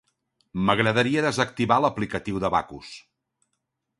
M'agradaria desactivar l'aplicatiu d'Abacus.